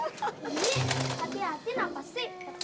iyi hati hati kenapa sih